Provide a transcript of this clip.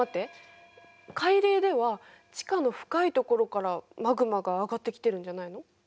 海嶺では地下の深いところからマグマが上がってきてるんじゃないの。